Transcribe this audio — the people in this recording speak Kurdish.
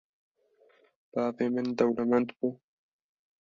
Bavê min dewlemend bû